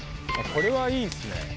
これはいいっすね。